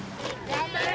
頑張れ！